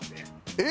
えっ！